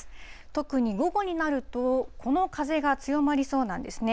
特に午後になると、この風が強まりそうなんですね。